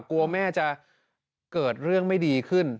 กลัวแม่จะเกิดเรื่องไม่ดีขึ้น